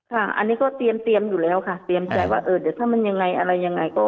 ค่ะอันนี้ก็เตรียมอยู่แล้วค่ะเตรียมใจว่าเออเดี๋ยวถ้ามันยังไงอะไรยังไงก็